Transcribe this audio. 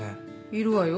いるわよ